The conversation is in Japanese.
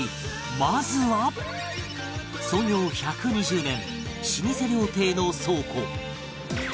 まずは創業１２０年老舗料亭の倉庫